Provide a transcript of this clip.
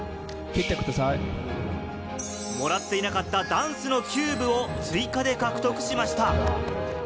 もらっていなかったダンスのキューブを追加で獲得しました。